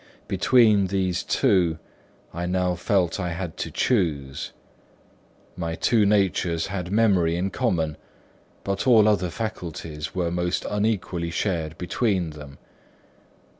Between these two, I now felt I had to choose. My two natures had memory in common, but all other faculties were most unequally shared between them.